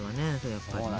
やっぱりね。